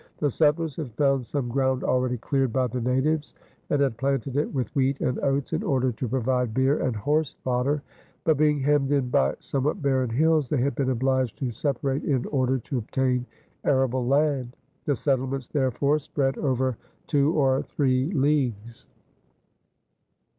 The settlers had found some ground already cleared by the natives and had planted it with wheat and oats in order to provide beer and horse fodder; but being hemmed in by somewhat barren hills, they had been obliged to separate in order to obtain arable land. The settlements, therefore, spread over two or three leagues.